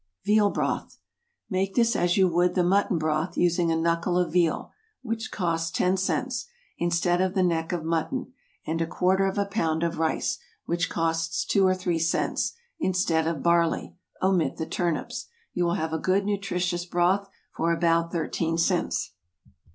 =Veal Broth.= Make this as you would the mutton broth, using a knuckle of veal, (which costs ten cents,) instead of the neck of mutton, and a quarter of a pound of rice, (which costs two or three cents,) instead of barley; omit the turnips. You will have a good, nutritious, broth for about thirteen cents.